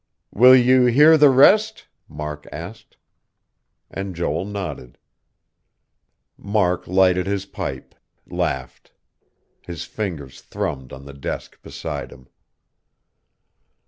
"Will you hear the rest?" Mark asked; and Joel nodded. Mark lighted his pipe, laughed.... His fingers thrummed on the desk beside him.